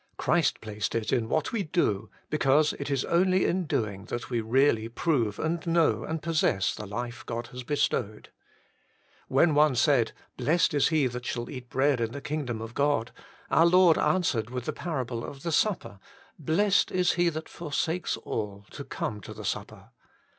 Christ placed it in what we do, because it is only in doing that we really prove and know and possess the life God has bestowed. When one said, * Blessed is he that shall eat bread in the kingdom of God,' our Lord answered with the parable of the supper, ' Blessed is he that forsakes all to come to the supper.'